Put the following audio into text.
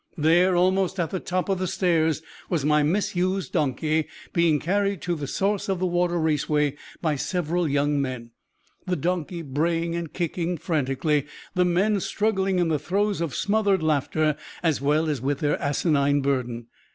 There, almost at the top of the stairs, was my misused donkey, being carried to the source of the water raceway by several young men, the donkey braying and kicking frantically, the men struggling in the throes of smothered laughter as well as with their asinine burden.